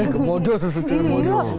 komodo sesudahnya komodo